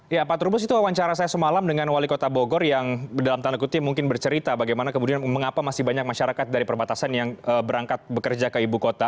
ya pak trubus itu wawancara saya semalam dengan wali kota bogor yang dalam tanda kutip mungkin bercerita bagaimana kemudian mengapa masih banyak masyarakat dari perbatasan yang berangkat bekerja ke ibu kota